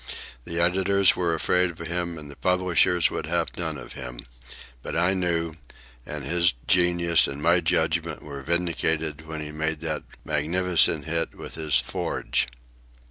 "The editors were afraid of him and the publishers would have none of him. But I knew, and his genius and my judgment were vindicated when he made that magnificent hit with his 'Forge.